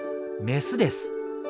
メスです。